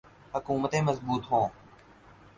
حکومتیں مضبوط ہوں۔